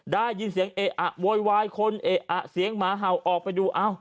ได้ยินเสียงเอะอะโวยวายคนเอะอะเสียงหมาเห่าออกไปดูอ้าว